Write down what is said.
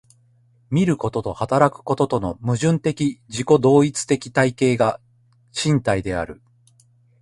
見ることと働くこととの矛盾的自己同一的体系が身体である。